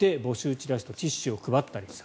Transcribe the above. チラシとティッシュを配ったりした。